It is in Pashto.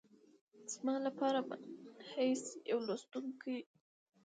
زما لپاره منحیث د یوه لوستونکي